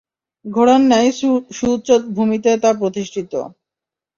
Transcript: ঘোড়ার ন্যায় সুউচ্চ ভূমিতে তা প্রতিষ্ঠিত।